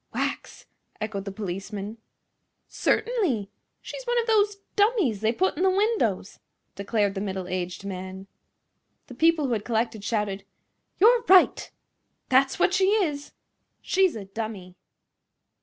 "Wax!" echoed the policeman. "Certainly. She's one of those dummies they put in the windows," declared the middle aged man. The people who had collected shouted: "You're right!" "That's what she is!" "She's a dummy!"